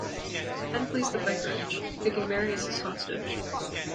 He then flees the vicarage, taking Mary as his hostage.